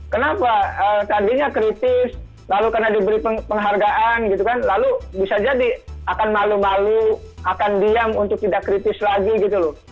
kenapa tadinya kritis lalu karena diberi penghargaan gitu kan lalu bisa jadi akan malu malu akan diam untuk tidak kritis lagi gitu loh